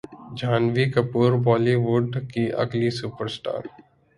Jhanvi Kapoor Bollywood کی اگلی super star